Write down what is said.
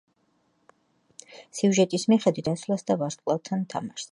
სიუჟეტის მიხედვით, პატარა კუ ცდილობს ცაში ასვლას და ვარსკვლავთან თამაშს.